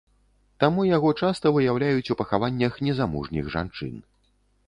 Таму яго часта выяўляюць у пахаваннях незамужніх жанчын.